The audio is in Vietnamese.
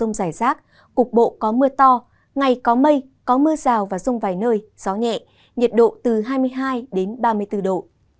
rông rải rác cục bộ có mưa to ngày có mây có mưa rào và rông vài nơi gió nhẹ nhiệt độ từ hai mươi hai đến ba mươi bốn độ